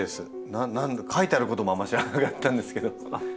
書いてあることもあんまり知らなかったんですけど。